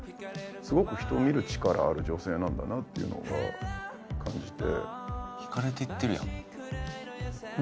すごく人を見る力ある女性なんだなっていうのが感じて。